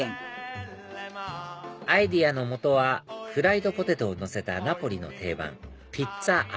アイデアのもとはフライドポテトをのせたナポリの定番ＰＩＺＺＡ